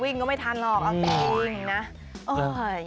วิ่งก็ไม่ทันหรอกเอาแต่วิ่งนะ